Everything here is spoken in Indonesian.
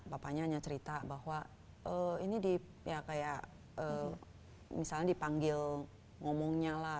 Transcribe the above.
papanya hanya cerita bahwa ini kayak misalnya dipanggil ngomongnya lah